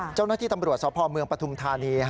เจ้าหน้าที่ตำรวจสพเมืองปฐุมธานี